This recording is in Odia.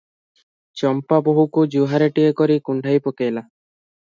ଚମ୍ପା ବୋହୂକୁ ଜୁହାରଟିଏ କରି କୁଣ୍ଢେଇ ପକେଇଲା ।